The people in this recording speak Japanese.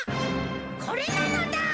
これなのだ！